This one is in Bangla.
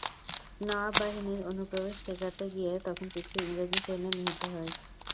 নওয়াব বাহিনীর অনুপ্রবেশ ঠেকাতে গিয়ে তখন কিছু ইংরেজ সৈন্য নিহত হয়।